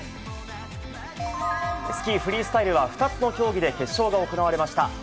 スキーフリースタイルは２つの競技で決勝が行われました。